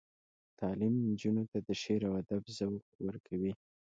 تعلیم نجونو ته د شعر او ادب ذوق ورکوي.